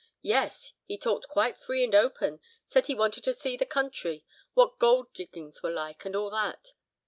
"Yes! he talked quite free and open. Said he wanted to see the country—what gold diggings were like, and all that.